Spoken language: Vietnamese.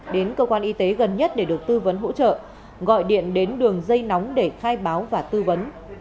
đến cơ quan y tế gần nhất để được tư vấn hỗ trợ gọi điện đến đường dây nóng để khai báo và tư vấn